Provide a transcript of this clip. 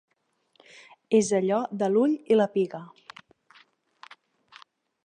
És allò de l'ull i la piga.